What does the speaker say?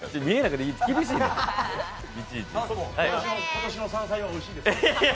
今年の山菜はおいしいですか？